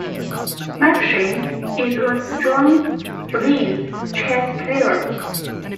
McShane is a strong blitz chess player.